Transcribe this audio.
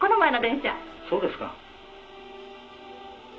そうですか。